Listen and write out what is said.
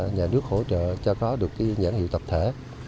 nhà nước hỗ trợ cho có được nhãn hiệu tập thể